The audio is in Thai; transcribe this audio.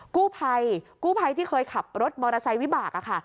กู้ไพที่เคยขับรถมอเตอร์ไซค์วิบาก